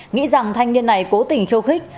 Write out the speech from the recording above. nghĩ rằng thanh niên này cố tình khiêu khích